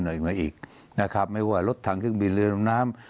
หน่อยกว่าอีกนะครับไม่ว่ารถถังขึ้นบินเรือนลำน้ำ